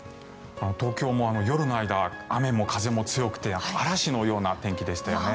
東京も夜の間、雨も風も強くて嵐のような天気でしたよね。